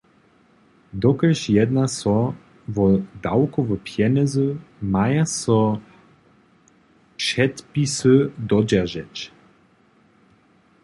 Dokelž jedna so wo dawkowe pjenjezy, maja so předpisy dodźeržeć.